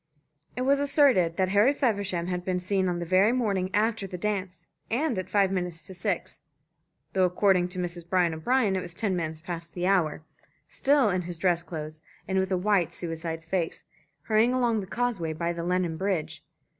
It was asserted that Harry Feversham had been seen on the very morning after the dance, and at five minutes to six though according to Mrs. Brien O'Brien it was ten minutes past the hour still in his dress clothes and with a white suicide's face, hurrying along the causeway by the Lennon Bridge.